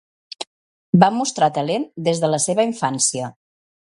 Va mostrar talent des de la seva infància?